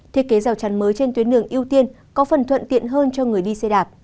thiết kế rào chắn mới trên tuyến đường ưu tiên có phần thuận tiện hơn cho người đi xe đạp